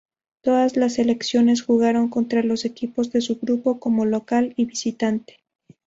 Todas las selecciones jugaron contra los equipos de su grupo, como local y visitante.